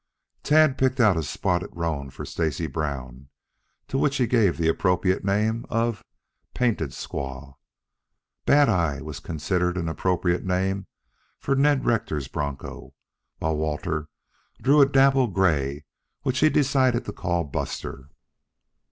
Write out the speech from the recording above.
Tad picked out a spotted roan for Stacy Brown, to which he gave the appropriate name of "Painted squaw". Bad eye, was considered an appropriate name for Ned Rector's broncho, while Walter drew a dapple gray which he decided to call Buster.